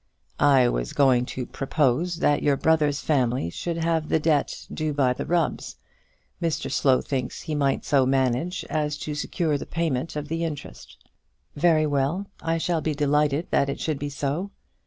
"I was going to propose that your brother's family should have the debt due by the Rubbs. Mr Slow thinks he might so manage as to secure the payment of the interest." "Very well; I shall be delighted that it should be so.